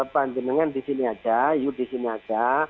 panjangan di sini saja yuk di sini saja